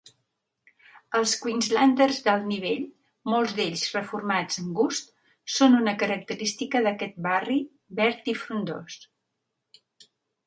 Els Queenslanders d'alt nivell, molts d'ells reformats amb gust, són una característica d'aquest barri verd i frondós.